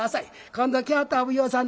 「今度来よったお奉行さん